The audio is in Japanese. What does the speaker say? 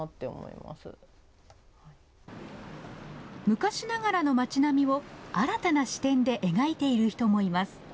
昔ながらの町並みを新たな視点で描いている人もいます。